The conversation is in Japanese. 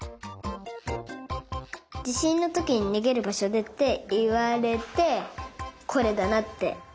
じしんのときににげるばしょでっていわれてこれだなって。